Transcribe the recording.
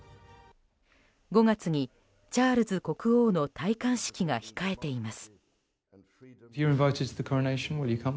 ５月にチャールズ国王の戴冠式が控えています。